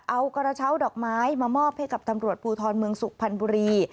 เอากระเช้าดอกไม้มามอบให้กับตำรวจภูทรเมืองสุพรรณบุรี